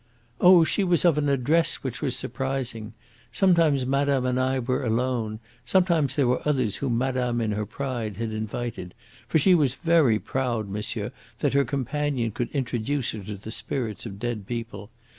"Oh, she was of an address which was surprising. Sometimes madame and I were alone. Sometimes there were others, whom madame in her pride had invited. For she was very proud, monsieur, that her companion could introduce her to the spirits of dead people.